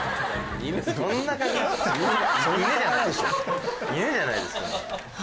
犬じゃないんですから。